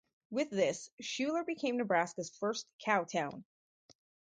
With this, Schuyler became Nebraska's first "cow town".